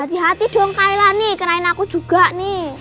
hati hati dong thailand nih kenain aku juga nih